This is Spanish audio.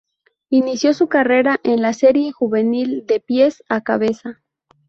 Inició su carrera en la serie juvenil "De pies a cabeza".